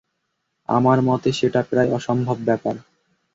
আমার মতে সেটা প্রায় অসম্ভব ব্যাপার।